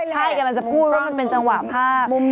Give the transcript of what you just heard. ใช่กำลังจะพูดว่ามันเป็นจังหวะภาพ